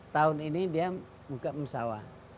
tahun ini dia buka musawah